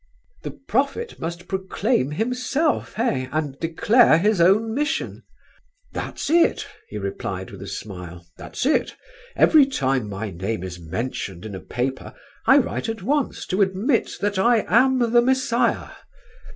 "The prophet must proclaim himself, eh? and declare his own mission?" "That's it," he replied with a smile; "that's it. "Every time my name is mentioned in a paper, I write at once to admit that I am the Messiah.